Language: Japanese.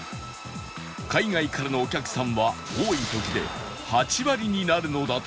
海外からのお客さんは多い時で８割になるのだという